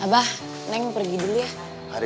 abah neng pergi dulu ya